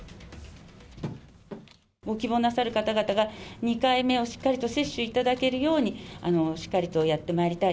ご希望なさる方々が、２回目をしっかりと接種いただけるようにしっかりとやってまいりたい。